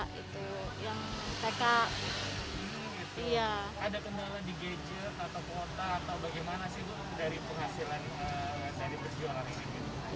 ada kendala di gadget atau kuota atau bagaimana sih dari penghasilan yang saya diberi jualan ini